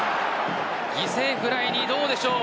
犠牲フライに、どうでしょう。